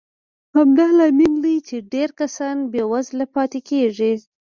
همدا لامل دی چې ډېر کسان بېوزله پاتې کېږي.